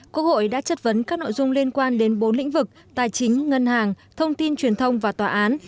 quốc hội đã chất vấn các nội dung liên quan đến bốn lĩnh vực tài chính ngân hàng thông tin truyền thông và tòa án